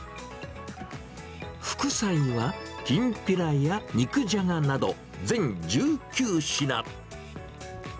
副菜はきんぴらや肉じゃがなど全１９品。